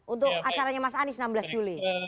untuk acaranya mas anies enam belas juli